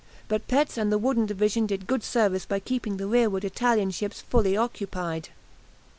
But Petz and the wooden division did good service by keeping the rearward Italian ships fully occupied.